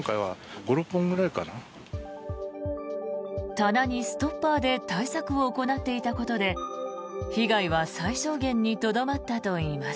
棚にストッパーで対策を行っていたことで被害は最小限にとどまったといいます。